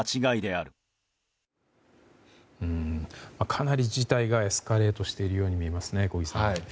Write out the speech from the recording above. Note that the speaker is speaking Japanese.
かなり事態がエスカレートしているように見えますね、小木さん。